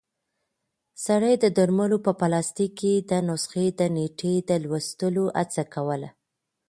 سړی د درملو په پلاستیک کې د نسخې د نیټې د لوستلو هڅه کوله.